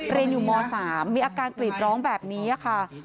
เรียนอยู่ม๓มีอาการกรีดร้องแบบนี้ค่ะ